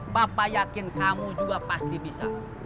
papa yakin kamu juga pasti bisa